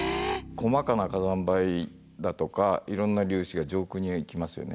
細かな火山灰だとかいろんな粒子が上空に行きますよね。